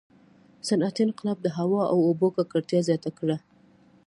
• صنعتي انقلاب د هوا او اوبو ککړتیا زیاته کړه.